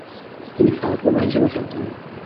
তিনি fast bowler হিসেবে খেলতেন।